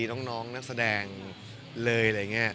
และน้องนักแสดงเลย